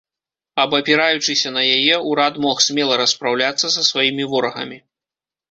Абапіраючыся на яе, урад мог смела распраўляцца са сваімі ворагамі.